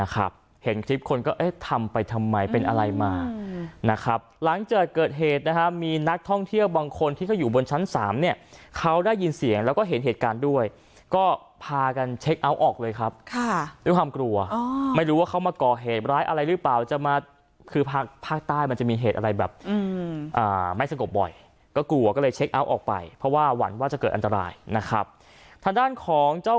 ครับเห็นคลิปคนก็เอ๊ะทำไปทำไมเป็นอะไรมานะครับหลังจากเกิดเหตุนะฮะมีนักท่องเที่ยวบางคนที่เขาอยู่บนชั้นสามเนี่ยเขาได้ยินเสียงแล้วก็เห็นเหตุการณ์ด้วยก็พากันเช็คเอาออกเลยครับค่ะด้วยความกลัวอ๋อไม่รู้ว่าเขามาก่อเหตุร้ายอะไรหรือเปล่าจะมาคือภาคภาคใต้มันจะมีเหตุอะไรแบบอืมอ่าไม่สงบบ่อยก็